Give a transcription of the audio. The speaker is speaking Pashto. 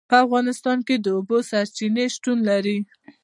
په افغانستان کې د اوبو سرچینې شتون لري.